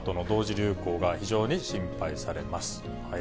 流行が非常に心配されます。